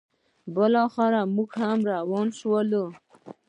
بالاخره موږ روان شولو: